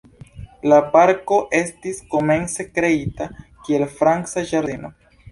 La parko estis komence kreita kiel franca ĝardeno.